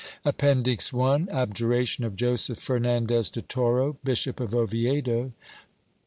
APPENDIX. I. Abjuration of Joseph Fernandez de Toro, Bishop op Oviedo.